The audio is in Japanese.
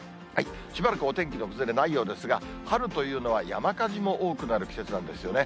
しばらくお天気の崩れないようですが、春というのは山火事も多くなる季節なんですよね。